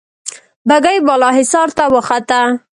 بګۍ بالا حصار ته وخته.